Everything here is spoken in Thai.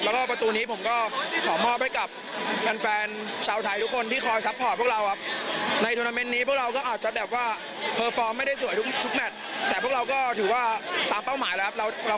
แล้วก็ประตูนี้ผมก็ขอมอบให้กับแฟนชาวไทยทุกคนที่คอยซัพพอร์ตพวกเราครับ